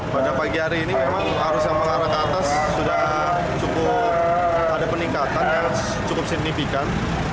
pada pagi hari ini memang arus yang mengarah ke atas sudah cukup ada peningkatan yang cukup signifikan